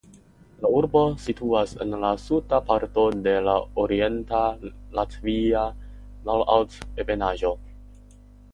La urbo situas en la suda parto de la Orienta Latvia malaltebenaĵo.